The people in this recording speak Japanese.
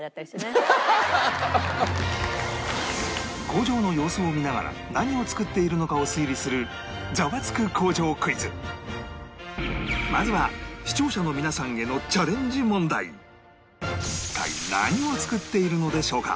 工場の様子を見ながら何を作っているのかを推理するまずは視聴者の皆さんへの一体何を作っているのでしょうか？